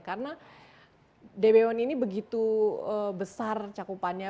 karena db satu ini begitu besar cakupannya